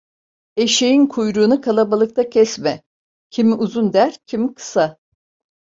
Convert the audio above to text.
Eşeğin kuyruğunu kalabalıkta kesme; kimi uzun der, kimi kısa.